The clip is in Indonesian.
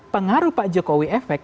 pengaruh pak jokowi efek